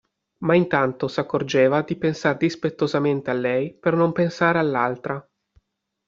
Ma intanto s'accorgeva di pensar dispettosamente a lei per non pensare all'altra.